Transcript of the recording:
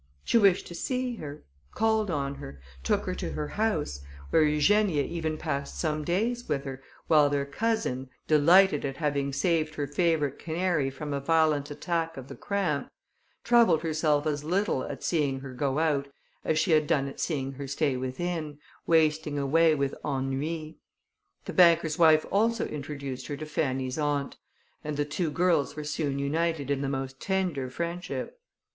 She wished to see her: called on her, took her to her house, where Eugenia even passed some days with her, while their cousin, delighted at having saved her favourite canary from a violent attack of the cramp, troubled herself as little at seeing her go out as she had done at seeing her stay within, wasting away with ennui. The banker's wife also introduced her to Fanny's aunt, and the two girls were soon united in the most tender friendship.